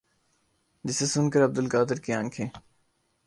جسے سن کر عبدالقادر کی انکھیں